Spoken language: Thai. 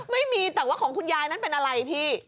ไม่มีแต่ว่าของคุณยายนั้นเป็นอะไรพี่